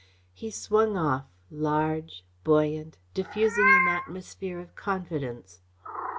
He swung off, large, buoyant, diffusing an atmosphere of confidence.